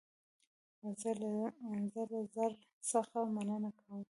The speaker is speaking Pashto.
زه له زړه څخه مننه کوم